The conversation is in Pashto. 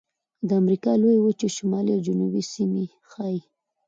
د امریکا لویې وچې شمالي او جنوبي سیمې ښيي.